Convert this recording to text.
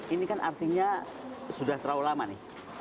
ini kan artinya sudah terlalu lama nih